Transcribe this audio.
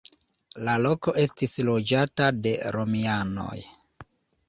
La loko estis loĝata de romianoj.